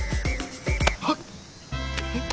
はっ！えっ？